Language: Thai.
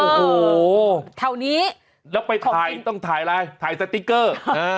โอ้โหแถวนี้แล้วไปถ่ายต้องถ่ายอะไรถ่ายสติ๊กเกอร์